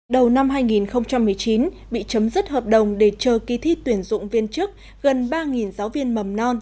đầu năm hai nghìn một mươi chín bị chấm dứt hợp đồng để chờ kỳ thi tuyển dụng viên chức gần ba giáo viên mầm non